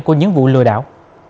của những vụ lừa đảo